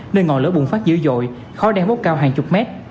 nơi ngọn lửa bùng phát dữ dội khói đen bốc cao hàng chục mét